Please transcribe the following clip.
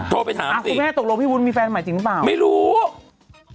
โทรไปถามสิครับไม่รู้ก็น่าจะตกโลกพี่วุ้นมีแฟนใหม่จริงหรือเปล่า